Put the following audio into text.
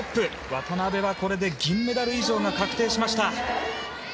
渡部は銀メダル以上が確定しました。